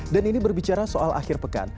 dan ini berbicara soal akhir pekan